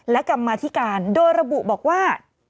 และกรรมาธิการโดยระบุบอกว่า